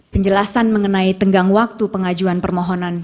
penjelasan mengenai tenggang waktu pengajuan permohonan